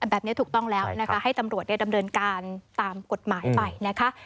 แบบนี้ถูกต้องแล้วนะคะให้ตำรวจดำเนินการตามกฎหมายไปนะคะ